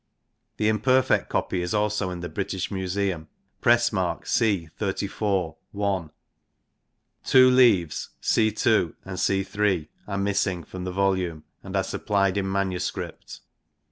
The imperfect copy is also in the British Museum (Press Mark C 34 1 1 1 ); two leaves, C 2 and C 3 , are missing from the volume, and are supplied in manuscript.